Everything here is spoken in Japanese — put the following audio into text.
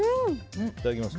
いただきます。